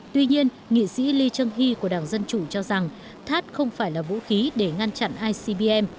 tuy nhiên nghị sĩ lee chung hee của đảng dân chủ cho rằng thát không phải là vũ khí để ngăn chặn icbm